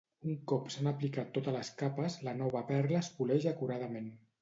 Un cop s'han aplicat totes les capes, la nova perla es poleix acuradament.